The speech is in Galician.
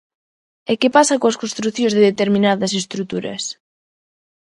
E que pasa coas construcións de determinadas estruturas?